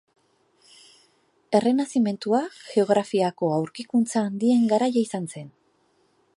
Errenazimentua geografiako aurkikuntza handien garaia izan zen.